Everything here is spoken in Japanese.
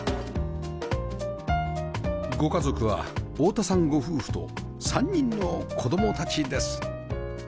ご家族は太田さんご夫婦と３人の子供たちです